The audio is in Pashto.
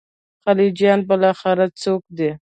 خلجیان بالاخره څوک دي.